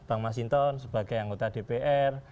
bang masinton sebagai anggota dpr